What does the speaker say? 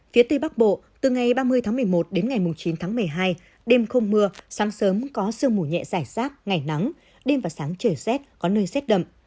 phía tây bắc bộ từ ngày ba mươi tháng một mươi một đến ngày chín tháng một mươi hai đêm không mưa sáng sớm có sương mù nhẹ giải rác ngày nắng đêm và sáng trời rét có nơi rét đậm